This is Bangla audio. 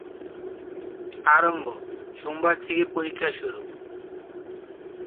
আরম্ভ: সোমবার থেকে পরীক্ষা শুরু।